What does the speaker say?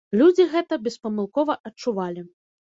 Людзі гэта беспамылкова адчувалі.